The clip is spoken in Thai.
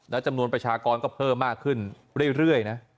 และจำนวนประชากรก็เพิ่มมากขึ้นเรื่อยนะ